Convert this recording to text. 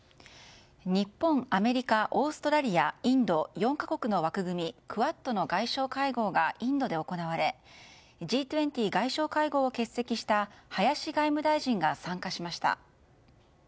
日本、アメリカオーストラリア、インド４か国の枠組みクアッドの外相会合がインドで行われＧ２０外相会合を欠席した林外務大臣が参加しました。